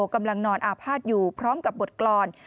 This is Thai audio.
กำลังนอนอาภาษณ์อยู่พร้อมกับบทกรรม